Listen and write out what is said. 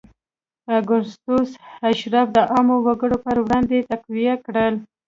اګوستوس اشراف د عامو وګړو پر وړاندې تقویه کړل.